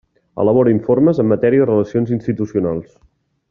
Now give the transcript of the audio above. Elabora informes en matèria de relacions institucionals.